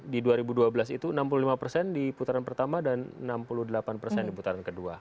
di dua ribu dua belas itu enam puluh lima persen di putaran pertama dan enam puluh delapan persen di putaran kedua